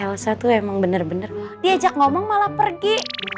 elsa tuh emang bener bener diajak ngomong malah pergi